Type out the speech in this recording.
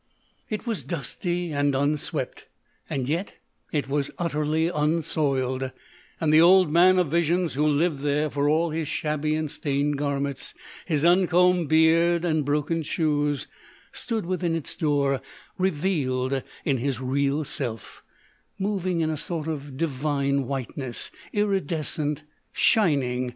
It was dusty and unswept, yet it was utterly unsoiUd; and the Old Man of Visions who lived there, for all his shabby and stained garments, his uncombed beard and broken shoes, stood within its door revealed in his real self, moving in a sort of divine whiteness, iridescent, shining.